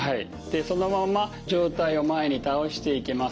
そのまま上体を前に倒していきます。